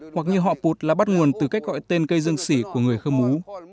hoặc như họ pụt là bắt nguồn từ cách gọi tên cây dương sỉ của người khơ mú